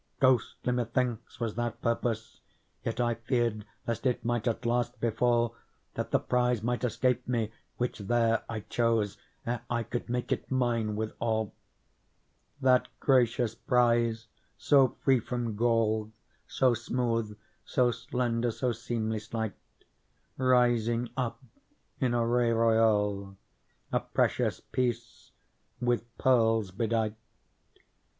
Ghostly methinks was that purpose. Yet I feared lest it might at last befall That the prize might escape me which there I chose Ere I could make it mine withal. That gracious prize so free from gall, So smooth, so slender, so seemly slight, Rising up in array royal A precious Piece ^ with pearls bedight.